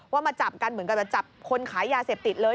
มาจับกันเหมือนกันจะจับคนขายยาเสพติดเลย